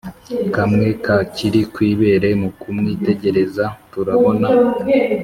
kamwe kakiri kw’ibere mukumwitegereza turabona